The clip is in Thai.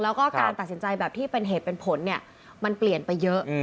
แล้วก็การตัดสินใจแบบที่เป็นเหตุเป็นผลเนี่ยมันเปลี่ยนไปเยอะ